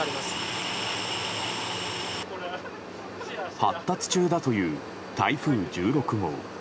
発達中だという台風１６号。